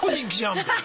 みたいな。